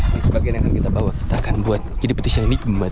ini sebagian yang akan kita bawa kita akan buat jadi petician ini